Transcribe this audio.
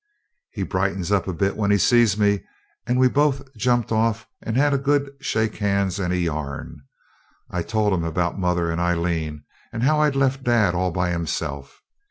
He brightens up a bit when he sees me, and we both jumped off, and had a good shake hands and a yarn. I told him about mother and Aileen, and how I'd left dad all by himself.